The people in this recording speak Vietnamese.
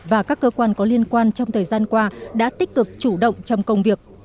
và các cơ quan có liên quan trong thời gian qua đã tích cực chủ động trong công việc